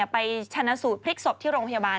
ไปชนะสูตรพลิกศพที่โรงพยาบาล